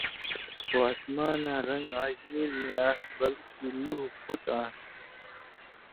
خو اسماناں رن٘گ آژ نیل نی آن٘س بلکے لُوہوۡ پُھت آنس۔